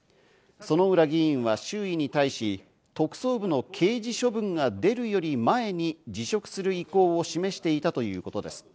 薗浦議員は周囲に対し、特捜部の刑事処分が出るより前に辞職する意向を示していたということです。